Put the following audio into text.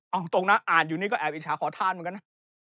เอาตรงนะอ่านอยู่นี่ก็แอบอิจฉาขอทานเหมือนกันนะ